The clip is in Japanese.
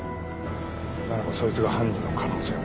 ならばそいつが犯人の可能性も。